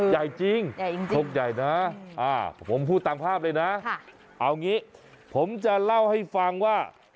ใหญ่จริงโชคใหญ่นะผมพูดตามภาพเลยนะเอางี้ผมจะเล่าให้ฟังว่า